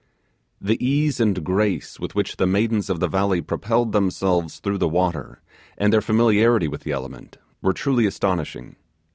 The ease and grace with which the maidens of the valley propelled themselves through the water, and their familiarity with the element, were truly astonishing.